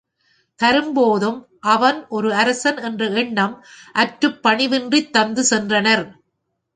தரும்போதும், அவன் ஒர் அரசன் என்ற எண்ணம் அற்றுப் பணிவின்றித் தந்து சென்றனர்.